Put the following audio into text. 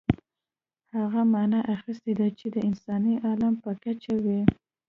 هغه معنا اخیستې ده چې د انساني عالم په کچه وي.